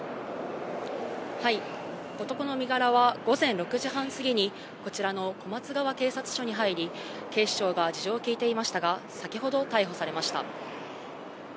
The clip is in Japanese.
男の身柄は午前６時半過ぎに、こちらの小松川警察署に入り、警視庁が事情を聴いていましたが、先ほど逮捕されました。